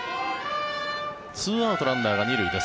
２アウトランナーが２塁です。